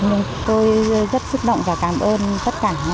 nên tôi rất xúc động và cảm ơn tất cả